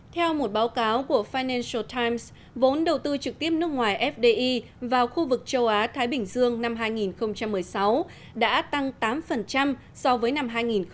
theo một báo cáo của finantial times vốn đầu tư trực tiếp nước ngoài fdi vào khu vực châu á thái bình dương năm hai nghìn một mươi sáu đã tăng tám so với năm hai nghìn một mươi bảy